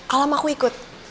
alam aku ikut